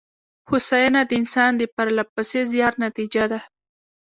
هوساینه د انسان د پرله پسې زیار نتېجه ده.